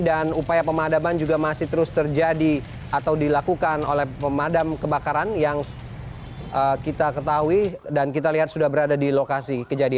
dan upaya pemadaman juga masih terus terjadi atau dilakukan oleh pemadam kebakaran yang kita ketahui dan kita lihat sudah berada di lokasi kejadian